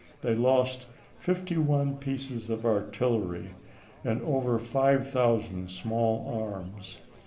They lost fifty one pieces of artillery and over five thousand small arms.